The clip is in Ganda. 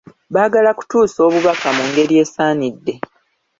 Baagala kutuusa obubaka mu ngeri esaanidde.